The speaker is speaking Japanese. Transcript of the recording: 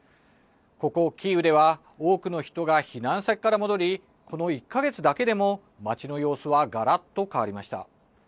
ここキーウでは多くの人が避難先から戻りこの１か月だけでも街の様子はがらっと変わりました。